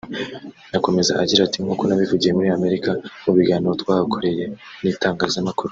Akomeza agira ati « Nk’uko nabivugiye muri Amerika mu biganiro twahakoreye n’itangazamakuru